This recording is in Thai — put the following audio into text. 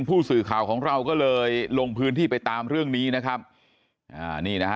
ผู้สื่อข่าวของเราก็เลยลงพื้นที่ไปตามเรื่องนี้นะครับอ่านี่นะฮะ